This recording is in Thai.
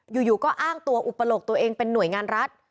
อยู่ก็อ้างตัวอุปโลกตัวเองเป็นหน่วยงานรัฐ